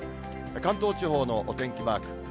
関東地方のお天気マーク。